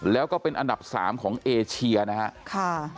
แล้วก็เป็นอันดับ๓ของเอเชียนะครับ